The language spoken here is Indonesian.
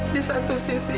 di satu sisi